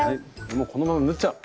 もうこのまま縫っちゃおう。